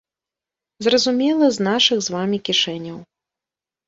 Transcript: Зразумела, з нашых з вамі кішэняў.